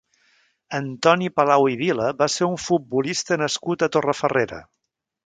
Antoni Palau i Vila va ser un futbolista nascut a Torrefarrera.